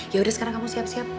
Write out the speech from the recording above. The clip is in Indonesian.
yaudah sekarang kamu siap siap